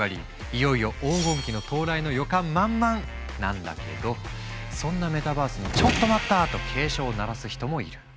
いよいよ黄金期の到来の予感満々なんだけどそんなメタバースにと警鐘を鳴らす人もいる。